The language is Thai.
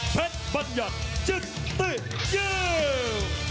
เผ็ดบัญญัติจิ๊ดตื้อยิ้ม